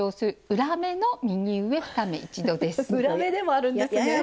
裏目でもあるんですね。